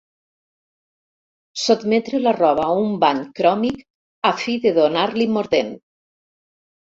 Sotmetre la roba a un bany cròmic a fi de donar-li mordent.